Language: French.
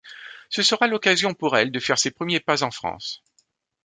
Ce sera l’occasion pour elle de faire ses premiers pas en France.